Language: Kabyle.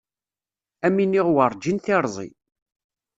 Ad am iniɣ warǧin tiṛẓi.